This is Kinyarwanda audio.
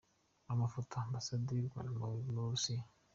Amafoto: Ambasade y’u Rwanda mu Burusiya.